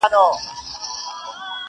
انسان وجدان سره ژوند کوي تل.